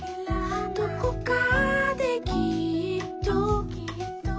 「どこかできっと」